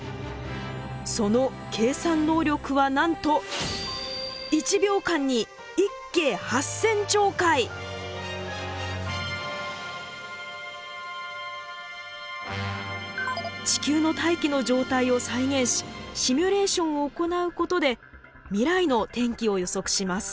その計算能力はなんと地球の大気の状態を再現しシミュレーションを行うことで未来の天気を予測します。